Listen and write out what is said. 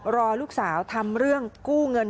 รอลูกสาวทำเรื่องกู้เงิน